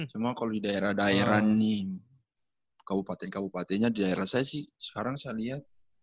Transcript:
cuma kalau di daerah daerah nih kabupaten kabupatennya di daerah saya sih sekarang saya lihat